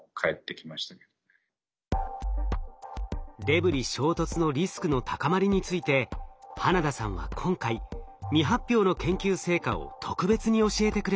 デブリ衝突のリスクの高まりについて花田さんは今回未発表の研究成果を特別に教えてくれました。